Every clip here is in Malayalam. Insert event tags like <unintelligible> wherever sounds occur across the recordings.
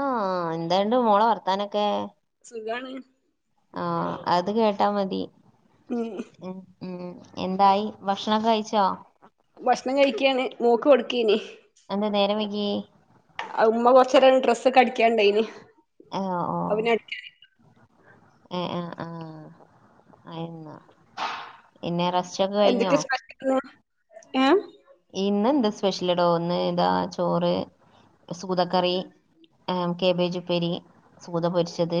ആഹ്, എന്താണ്ട് മോളെ വർത്താനൊക്കെ? സുഖാണ്. ആഹ്, അത് കേട്ടാ മതി. ഉം ഉം ഉം എന്തായി ഭക്ഷണം കഴിച്ചോ? ഭക്ഷണം കഴിക്കാണ് മോക്ക് കൊടുക്കേന്. അന്താ നേരം വൈകി? ഉമ്മ കൊർച്ച <unintelligible> ഡ്രസ്സ്ക്കൊ അടിക്കാണ്ടയ്ന്. ഓ ഓ. <inaudible> ഏ ആഹ് ആ ആ പിന്നെ റസ് എന്തൊക്കെയെ സ്പശിക്കുന്നു ഏഹ് ഇന്നെന്താ സ്പെഷ്യൽ ഇടോ ഒന്ന് ഇതാ ചോറ് സൂതക്കറി ആഹ് കേബേജ് ഉപേരി, സൂത പൊരിച്ചത്,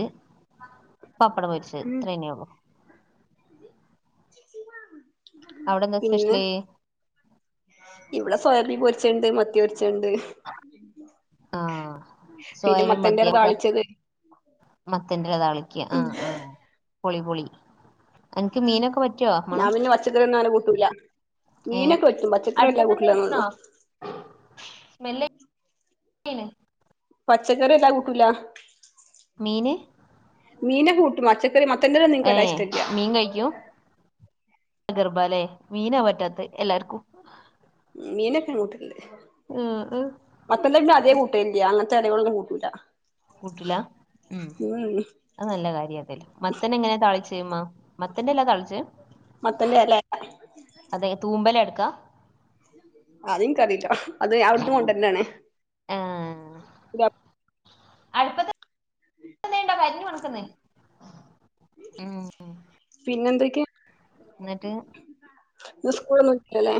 പപ്പടം പൊരിച്ചത്, ഇത്ര ന്നെയൊള്ളൂ. <inaudible> അവടെന്താ സ്പെഷ്യല്? ഇവടെ സോയാബീ പൊരിച്ചത്ണ്ട് മത്തി പൊരിച്ചത്ണ്ട്. ആഹ് പിന്നെ മത്തൻന്റല താളിച്ചത്. മത്തൻന്റെല താളിക്ക് ഉം ആഹ് ആ പൊളി പൊളി. അൻക്ക് മീനൊക്കെ പറ്റിയോ? ഞാൻ മണം. പച്ചക്കറി ഒന്നങ്ങനാ കൂട്ടൂല്ല. ഏഹ് മീനൊക്കെ പറ്റും അടുപ്പത്തെന്താ വെച്ച്ക്ക്‌ണോ? സ്മെല്ല് പച്ചക്കറി വല്ലാതാ കൂട്ടൂല്ല. മീന് മീന് കൂട്ടും പച്ചക്കറി മത്തൻന്റല ന്നും ഇൻക്ക് വല്ലാതെ ഇഷ്ടല്ലാ. കയിക്കും ഗർബാല്ലേ മീനാ പറ്റാത്ത് എല്ലാർക്കും. മീനക്കോ ഞാൻ കൂട്ടല്ണ്ട്. ആഹ് ആ മത്തല്ല അതേ കൂട്ടയില്ല അങ്ങനത്തെ എലകളൊന്നും കൂട്ടുല്ല കൂട്ടൂല ഉം. അത് നല്ല കാര്യ അതേല്ല മത്തന് എങ്ങനാ താളിച്ച് മ്മ മത്തൻന്റെ താളിച്? മത്തന്റെ എലേ അതെ തൂമ്പല എടുക്കാ. അത്ൻക്കറിയില്ലാ അത് അവിടുന്ന് കൊണ്ടര്നെണ്. ആഹ് ണ്ടോ കരിഞ്ഞു മണക്കുന്നേ ഉം പിന്നെന്തൊക്കെയാ എന്നിട്ട് ഇ സ്കൂൾ മുല്ലേ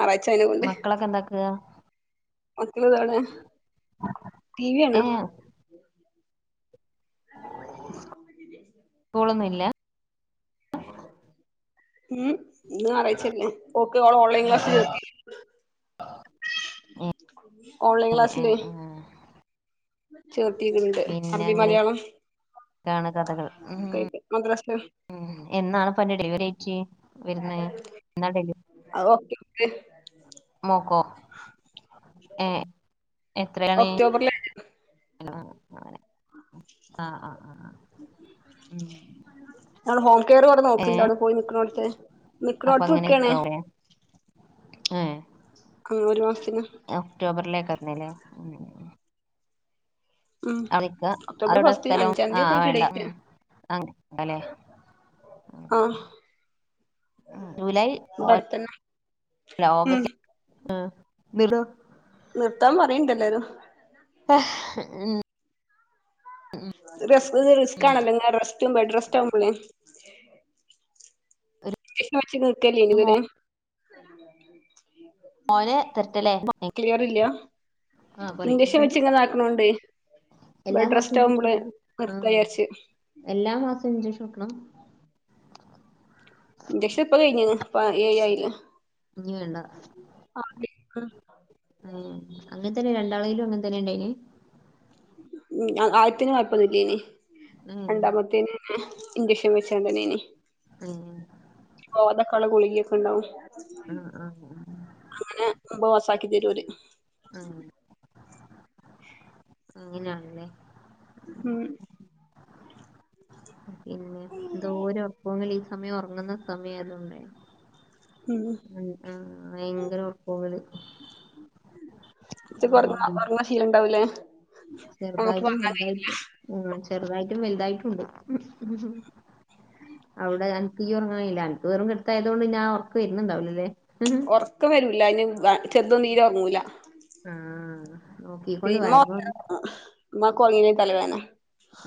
ആറഴ്ച്ചന് മക്കളൊക്കെ എന്താക്കുക മക്കൾ ഇത ഇവിടെ ടി ക്കണ ഏ സ്കൂളൊന്നുംല്ല ഉംഇന് ഞാറയിച്ചല്ല ഓള ഓൺലൈൻ ക്ലാസ്സ്ർ ആഹ് ഓൺലൈൻ ക്ലാസില ചെർത്തിട്ടുണ്ട് അറബി മലയാളം ആണ് കഥകൾ ഒക്കായിട്ട് മദ്രസില് ഉം ഉം എന്നാണ്പ്പ എന്റെ ഡെലിവറി ടെയിറ്റ് വരുന്നത് എന്നാണ് ഡെലിവ അ ഒറ്റക് മോക്കോ ഏ എത്രയാണ് ഒക്ടോബറിലാണ് അങ്ങനെ ആഹ് ആഹ് ആഹ് ഉം ഞ ഹോംകെയർ കടെ ഏ നോക്കിണ്ടോണ് പോയി നിക്കണോടത്തെ നിക്കണോടത്ത് നിക്കണേ ആഹ ആ ഒരു മാസത്തിന് ഒക്ടോബറിലേ കാരവര്ല്ലേ? ഉം അവിടെക്ക ഒക്ടോബർ അവിടെ ഫസ്റ്റ് സ്ഥലം അഞ്ചാന്തിക്ക ആഹ് വേണ്ട ഐറ്റാഡേറ്റ് ഉം അങ്ങനെല്ലേ ആഹ ജൂലൈ ഒ അടുത്തന്നെ ഉം ഓഗസ്റ്റ് ആഹ ന്നിട്ടാ നിർത്താൻ പറയണ്ടല്ലേരു ആ് ഉ റിസ്ക് ഇത് ഉം റിസ്കണല്ലോ റെസ്റ്റ്ബഡ്രസ്റ്റ് ആകുമ്പോളേ ഒരു <unintelligible> മോന തെരട്ടല്ലേ <unintelligible> ഇൻചക്ഷൻ വെച്ച് ഇങ്ങനെ ആക്കണണ്ട് എല്ലാ ബെഡ് മാസവും ഇഞ്ചക്ഷൻ റെസ്റ്റ്ആവുമ്പള് വെക്കണോ ആഹ് നിക്കിവിചാരിച്ച് എല്ലാ മാസവും ഇൻചക്ഷൻവെക്കണം ഇൻജക്ഷൻഇപ്പകയ്ഞ്ഞ് ഏഴ്ആയി ലെ - ഇനി വേണ്ട ആ ഒക്കെ ആ അങ്ങനെ തന്നെ രണ്ടാളെിലും അങ്ങനെ തന്നെ ഉണ്ടായിനൈ ആദ്യത്തിന് ഉം കൊയപ്പൊന്നില്ലെനിരണ്ടാമത്തേന് ഇഞ്ചെക്ഷൻ വെച്ചോണ്ടന്നെ അയ്നിം ഉ പോകൻ ലെഗുളികിയൊക്കെ ഉണ്ടാവും ആഹ ആഹ ഉ അങ്ങനെ ബോക്സ ആക്കി തരുഓല് ഉം അങ്ങനെയണല്ലേ? ഉം പിന്നെ എന്തോര് ഓർക്കുങ്ങല് ഈ സമയം ഒറങ്ങ്ന്ന സമയ ആയതോണ്ടെ ഉം ആ ആഹ ഭയങ്കര ഒർക്ക്തുങ്ങൽ ഇച്ച് ആഹ ഒറങ്ങ അതെ ഒറങ്ങണ ശീലണ്ടാവൂലേ ഞമ്മക്ക് ചെറുതായിട്ടും ഒറങ്ങാൻ വൽ കഴിയൂല തായിട്ടും ഉ ചെറുതായിട്ടും വലുതായിട്ടുംണ്ട് അവിടെ അനക്ക് ഉറങ്ങാൻ കയില്ല അനക്ക് വെറും കെടത്തയതു കൊണ്ട് ഞാൻ ഒർക്ക് വരുന്നുണ്ടാവില്ലലെ? ഒറക്കം വരൂല അതിന് ചെർതും ഒന്നും തീരെ ഒറങ്ങൂല ആഹ നോക്കീ കൊണ്ട് വയ മാ കോർങ്ങിനെ തലവേനെ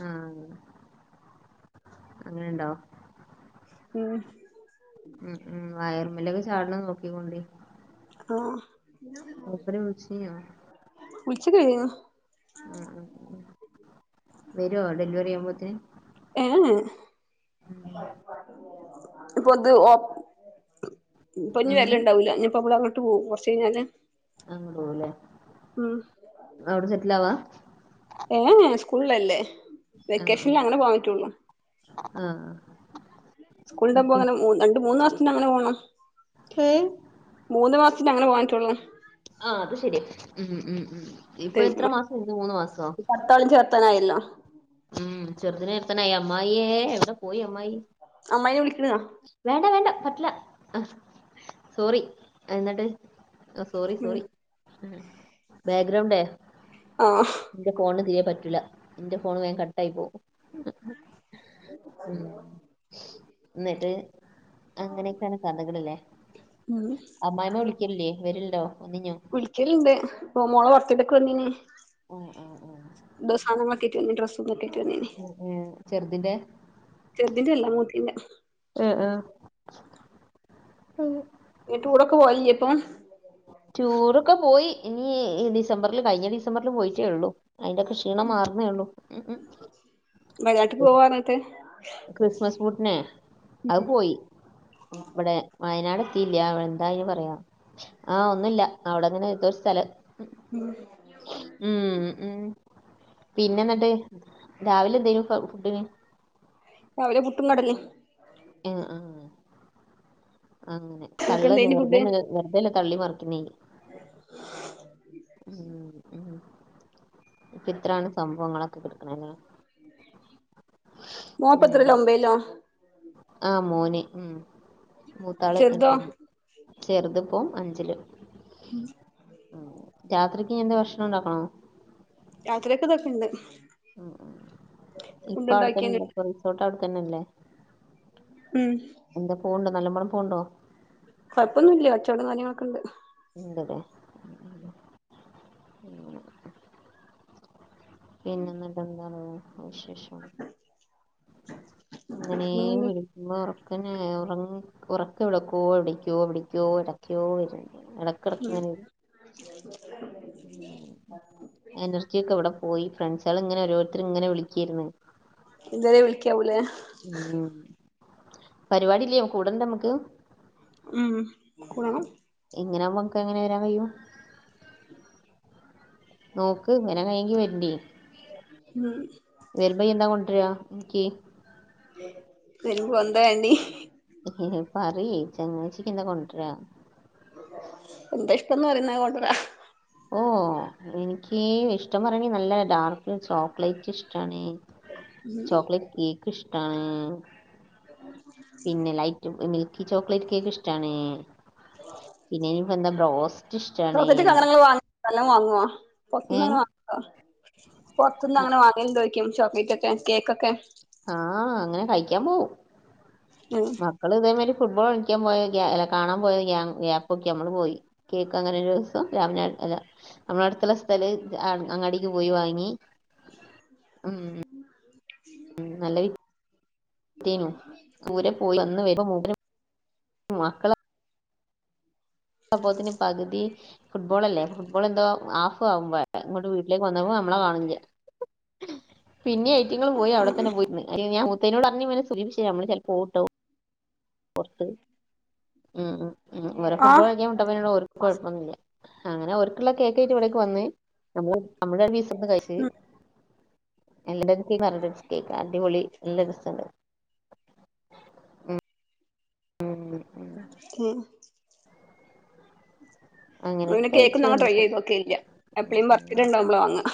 ആ അങ്ങനെണ്ടോ? ഉം ഉം ഉം വയർമലൊക്കെ ചാട്ണെ നോക്കിക്കോണ്ടി. ഓ മൂപര് വിളിച്ചിനിയോ? വിളിച്ചൊക്കെ ചൈതിന്നു. ഉം ഉം വരോ ഡെലിവറി ആവുമ്പോത്ത്ന് ഏ ഹ് പ്പൊത് ഓ ഇപ്പൊ ഇനി ഉം വരല്ണ്ടാവൂല്ല ഇനിപ്പ മ്മള അങ്ങോട്ട്പോവും കൊർച്ച് കഴിഞ്ഞാല് അങ്ങട്ട് പോവുല്ലേ ഉം അവിടെ സെറ്റിലാവാ? ഏ ഹ് സ്കൂള് ള്ളല്ലേ ആ വെക്കേഷൻല് അങ്ങനെ പോകാൻ പറ്റുള്ളു ആ ആ സ്കൂള്ണ്ടാവുമ്പോഅനെ രണ്ട് മൂന്ന് മാസത്തിന അങ്ങനെ പോകണം. ഏഹ് മൂന്ന് മാസത്തിനങ്ങനെ പോവാൻ പറ്റൊള്ളൂ ആഹ് അത് ശരി ഉം ഉം മ് ഇപ്പ എത്ര മാസം ഇന്ന് മൂന്ന് മാസോ? ത്താളിം ചേർത്താനായല്ലോ ഉം ചെറുതിനെ ചേർത്താനായി അമ്മായേ എവിടെ പോയി അമ്മായി അമ്മായിനെ വിളിക്ക്ണ്‌ ത വേണ്ട വേണ്ട പറ്റില്ല സോറി എന്നിട്ട് സോറി ഉം സോറി ഉം ബാഗ്രൗണ്ടേ ആഹ് ന്റെ ഫോണ് തിരെ പറ്റൂല്ല ഫോണ് വേം കട്ടായി പോവും ഉം ന്നട്ട് അങ്ങനെക്കെയാണ് കഥകള്ല്ലേ ഉം അമ്മായിമ്മ വിളിക്കലില്ലേ വരല്ണ്ടോ വന്നിഞ്ഞോ വിളിക്കല്ണ്ട് മോളെ ബർത്ഡേക്ക് വന്നീനി അ ആഹ് ആഹ് ന്നോ സധങ്ങളെക്കേറ്റ് വന്നി ഡ്രസ്സ് ദെക്കേറ്റ് വന്നീനി ഏഹ് ചെർതിന്റെ ചെർതിന്റെ അല്ല മൂത്തിന്റെ ങ് ങ് നീ ടുറൊക്കെ പോവലില്ലേ ഇപ്പം ടുറൊക്കെ പോയി ഇനി ഇ ഡിസംബർല് കഴിഞ്ഞ ഡിസംബർല് പോയിട്ടേള്ളു അയിന്റെക്കെ ക്ഷീണം മാറുന്നേള്ളൂ ഉം ഹ് വയനാട്ട് പോവാർഞ്ഞ്ട്ട് ക്രിസ്മസ് പൂട്ട്നെ അത് പോ പോയി ഇവിടെ വയനാട് എത്തിയില്ല എന്താണ്അയിന് പറയാ ആഹ് ഒന്നുല്ല അവിടെങ്ങനെ എന്തോ ഒരു സ്ഥലം ഉം ഉം ഹ് പിന്നെ ന്നട്ട് രാവിലെ എന്തേന്നു ഫുഡ് രാവിലെ പുട്ടും കടലിം എഹ് ആഹ് അങ്ങനെ ഇങ്ങക്ക് തള്ളന്നെ എന്തേനി ഫുഡ് വട്ന്നങ്ങനെ വെർതെല്ല തള്ളി മറിക്ക്ണേ ഉം ഉം ഇത്രാണ് സംഭവങ്ങളൊക്കെ കെട്ക്ക്ണല്ലേ മോ പ്പത്രലാ ഒമ്പയിലോ ആഹ് മോന് ഉം മൂത്താള് ചെറുതോ ഒമ്പെല് ചെറ്ത് പ്പൊ അഞ്ചില് ഉം രാത്രി ഇനി എന്ത ഭക്ഷണം ഉണ്ടാക്കണോ? രാത്രിക്ക് തൊക്കെണ്ട് <inaudible> ഇപ്പ അവിടെത്തന്നെല്ലേ ഇപ്പ റിസോർട്ട് അവിടെതന്നെ അല്ലേ ഉം എന്താ പൂവുണ്ട് നല്ലമണം പൂവുണ്ടോ കൊഴപ്പൊന്നും ഇല്ല കച്ചോടം കാര്യങ്ങളൊക്ക് ഇണ്ട് ഇണ്ടല്ലേ <unintelligible> പിന്നെ എന്നിട്ട് എന്തണ് വിശേഷം അങ്ങനെയ പിന്നെന്തേ വിളി ഇമ്മ ഉറക്കനെ ഉറങ്ങ് ഉറക്ക് വിടക്കുവോ എവിടിക്കോ എടിക്കോ ഇടക്കോ വരുന്നുണ്ട് എടക്കെടക്ക് ഉം ഇങ്ങനെ വരും എനർജി ഒക്കെ എവിടെ പോയി ഫ്രണ്ട്‌സാള് ഇങ്ങനെ ഓരോരുത്തര് ഇങ്ങനെ വിളിക്കേരുന്നു ഇതുവരെ വിളിക്കാവൂലെ ഉം പരിപാടി ഇല്ലേ കൂടണ്ടേ നമുക്ക് ഉം കൂടണം ഇങ്ങനെ ആകുമ്പോ നമക്ക് എങ്ങനെ വരാൻ കഴിയും നോക്ക് ഇങ്ങനെ കൈയ്യെങ്കി വെരണ്ടി ഉം വരുമ്പോ എന്താ കൊണ്ടര എനിക്ക് വരുമ്പോ എന്താ വേണ്ടേ ഹി ഹി പറയ് ചങ്ങായിച്ചിക്ക് എന്താ കൊണ്ടരാ എന്താ ഇഷ്ടന്ന് പറയ്ന്നെ കൊണ്ടരാ ഓഹ് എനിക്ക് ഇഷ്ടം പറയണ നല്ല ഡാർക്ക് ചോക്ലേറ്റ് ഇഷ്ടണെ ചോക്ലേറ്റ് കേക്ക് ഇഷ്ടാണ് പിന്നെ light milky chocolate cake ഇഷ്ടാണ് പിന്നെ ഇനി എന്താ ബ്രോസ്റ്റ്- <unintelligible> ഇഷ്ടാണ് അങ്ങനെങ്ങ വാങ് നല്ലാം വാങ്ങോ പൊർത് ഏ ന്നങ്ങനെ <unintelligible> പൊർത് ന്ന്ങ്ങനെ വാ എന്തോക്കും ചോക്ലേറ്റ് ഒക്കെ കേക്കൊക്കെ ആഹ് അങ്ങനെ കഴിക്കാൻ പോകും ഉം മക്കൾ ഇതേമാതിരി ഫുട്ബോൾ കളിക്കാൻ പോയ അല്ല കാണാൻ പോയ ഗ്യാബ് ഒക്കെ നമ്മള് പോയി കേക്ക് അങ്ങനെ ഒരു ദിവസം രാമനാ അല്ല നമ്മള് അടുത്തുള്ള സ്ഥല അങ്ങാടിക്ക് പോയി വാങ്ങി ഉം <unintelligible> ഉം നല്ല <unintelligible> പൂരം <unintelligible> മക്കള അപ്പോത്തിന് പകുതി ഫുട്ബോൾ അല്ലേ ഫുട്ബോൾ എന്തോ ആഫ് ആവുമ്പോ ഇങ്ങോട്ട് വീട്ടിലേക്ക് വന്നപ്പോ നമ്മളെ കാണ്ല്ല ഹ് പിന്നെ ഐറ്റങ്ങള് പോയി അവിടെന്ന് പോയി ഇരുന്നു മുത്തനോട് പറഞ്ഞങ്ങനെ സൂചിപ്പിച്ച നമ്മള് ചിലപ്പോ പോകുട്ടോ പുറത്ത് ഉം ഉം വേറെ ആഹ് ഫുട്ബോൾ - ഓൽക്ക് കുഴപ്പൊന്നില്ല അങ്ങനെ ഓൽക്കുള്ള കേക്കയിട്ട് ഇവിടേക്ക് വന്ന് നമ്മളെ നമ്മ- ന്ന് കഴിച്ചു എല്ലാവരും കേക്ക്‌ കഴിച്ചു അടിപൊളി നല്ലാ രസുണ്ട് ഉം ഉ ഉം ഏഹ് അങ്ങനെയൊക്കെ അങ്ങനെ കേക്ക് കഴിച്ചു ഞാൻ വന്നു ട്രൈ ചെയ്ത് നോക്കെല്ല എപ്പോഴുങ്കിലും ബർത്ത്ഡേയ്ണ്ടാവുമ്മള് വാങ്ങുക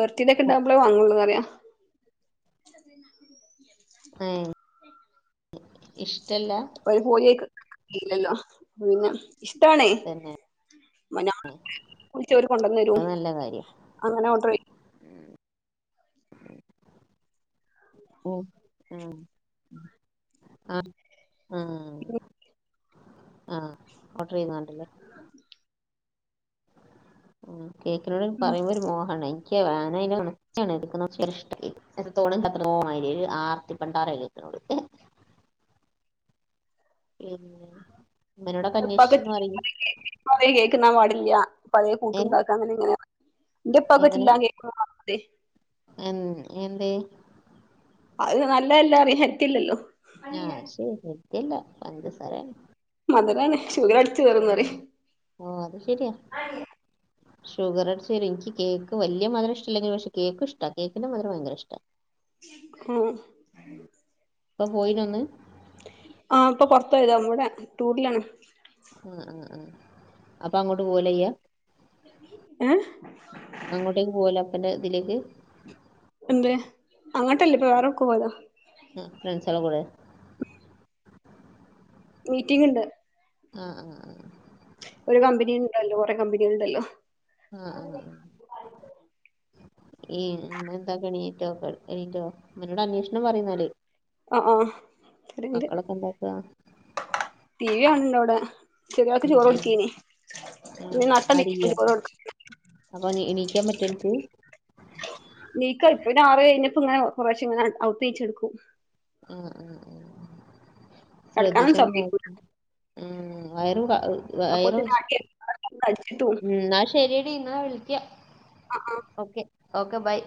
ബർത്ത്ഡേ ഒക്കെണ്ടാവുമ്പളെ വാങ്ങുള്ളറിയാ ഏഹ് ഇഷ്ടല്ല അവർ പോയ്ക്കില്ലല്ലോ പിന്നെ ഇഷ്ടാണ് തന്നെ വിളിച്ചവര് കൊണ്ടുന്ന് തരും അത് നല്ല കാര്യം അങ്ങനെ ഓർഡർ ചെയ്യും ഓഹ് ആഹ് ആഹ് ആ ചെയ്യും ആഹ ഓഡർ ചെയ്യതണ്ടല്ലേ <unintelligible> കേക്കിനോട് ഉം പറയുമ്പോ ഒരു മോഹാണ് എനിക്ക് വോന അണ് എനിക്കഷ്ട്ടായി എത്രത്തോളം എത്ര തോ ഒരു ആറത്തി പണ്ടാറ കേക്കിനോട് പിന്ന ഇമ്മനോടൊക്കെ അന്വേഷിച്ചന്ന് പറയ് കുറെ കേക്ക് തിന്നാൻ പാടില്ല പഴയ ഏ കൂട്ടുണ്ടാക്കാൻ അങ്ങനെ ഇങ്ങന എന്റെപ്പക്ക്‌ എങ്ങനെ പറ്റില്ല കേക്ക് പറ്റില്ല എൻ എന്തേ? അത് നല്ലതല്ല <unintelligible> ഹെൽത്തില്ലല്ലോ ആഹ് ശരിയാ ഹെൽത്തില്ല പഞ്ചസാര ആണ് മധുരാണ് ഷുഗർ അടി ഉം ആഹ് അത് ശരിയാ ഷുഗർ അടിച്ച് വരും ഇനിക്ക് കേക്ക് വല്യ മധുരഷ്ടല്ലെങ്കിലും പക്ഷെ കേക്ക് ഇഷ്ടാ കേക്കിന്റെ മധുരം ഭയങ്കരഷ്ടാ ഉം ഇപ്പ പോയിനോ ഇന്ന് ആഹ് ഇപ്പൊ പൊറത്ത് പോയതാ ഇവടെ <unintelligible> ഉം ഉം ഉം അപ്പൊ അങ്ങോട്ട് പോവല്ലേ ചെയ്യാ? ഏഹ് അങ്ങോട്ടേക്ക് പോവല്ലെ അപ്പന്റെ ഇതിലേയ്ക്ക് എന്ത് അങ്ങട്ടല്ലേ ഇപ്പൊ വേറെവ്ടക്കൊ പോയതാ <unintelligible> ഫ്രണ്ട്സാളെ കൂടെ മീറ്റിംഗ് ഇണ്ട് ഉം ഉം ഉം ഒരു കമ്പനി ഉണ്ടല്ലോ <unintelligible> കമ്പനിയൾ ഇണ്ടല്ലോ ഉം ഉം ഉം ഈ എന്താ പണീ <unintelligible> അമ്മനോട് അന്വേഷണം പറയ്ന്നാല് ആഹ് ആഹ് അവിടെണ്ട് മക്കളൊക്കെ എന്താക്കാ ടി വി കാണണ്ടവിടെ ചെറിയാൾക്ക് ഉം ചോറ് കൊടുക്കേനി ഇനി <unintelligible> ചോറ് കൊടുക്കാൻ അപ്പോ ഇനി എണീക്കാൻ പറ്റൊ അനക്ക് നീക്കാ ഇപ്പൊ ഒര് ആറ് കഴിഞ്ഞപ്പോ ഇങ്ങനെ കൊറേശെ ഇങ്ങനെ ഔത്ത് നീച്ചട്ക്കും ഉം ഉം ഉം കെടക്കാനൊന്നും ശ്രദ്ധിച്ചോണ്ടി സമ്മയ്ക്കൂല <unintelligible> ഉം വയറും <unintelligible> അപ്പൊത്തിന് ആക്കിവെക്കും <unintelligible> കഴിച്ചിട്ട് <unintelligible> ശെരി എടി എന്നാ വിളിക്കാ ആഹ് ആഹ് ഓക്കെ ഓക്കെ ബായ്